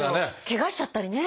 けがしちゃったりね。